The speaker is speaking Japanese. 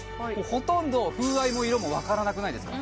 ほとんど風合いも色も分からなくないですか？